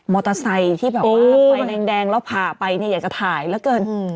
มอเตอร์ไซส์ที่แบบว่าไฟแดงแล้วผ่าไปอยากจะถ่ายแล้วเกิน